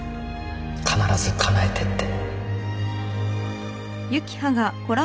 「必ず叶えて！」って